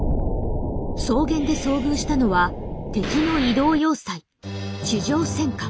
草原で遭遇したのは敵の移動要塞地上戦艦。